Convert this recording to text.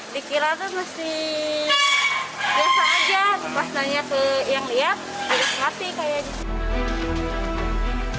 dikira tuh mesti biasa aja pas nanya ke yang lihat jadi mati kayak gitu